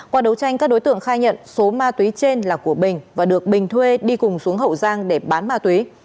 qua đấu tranh các đối tượng khai nhận số ma túy trên là của bình và được bình thuê đi cùng xuống hậu giang để bán ma túy